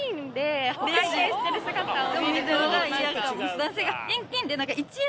男性が。